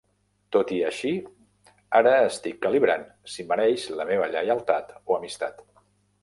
Tot i així, ara estic calibrant si mereix la meva lleialtat o amistat.